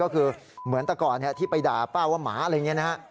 ก็คือเหมือนแต่ก่อนที่ไปด่าป้าว่าหมาอะไรอย่างนี้นะฮะ